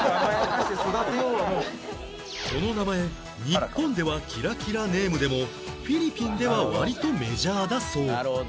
この名前日本ではキラキラネームでもフィリピンでは割とメジャーだそう